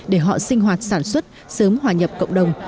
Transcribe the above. để họ sinh hoạt sản xuất sớm hòa nhập cộng đồng